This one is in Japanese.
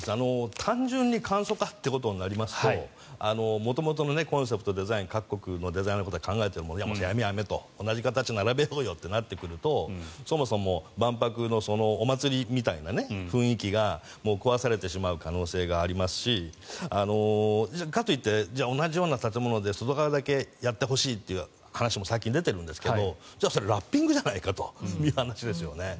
単純に簡素化となりますと元々のコンセプト各国のデザインを考えているのをやめやめ、同じ形のものを並べようとなるとそもそも万博のお祭りみたいな雰囲気が壊されてしまう可能性がありますしかといって同じような建物で外側だけやってほしいという話も最近出ているんですがそれラッピングじゃないかという話ですよね。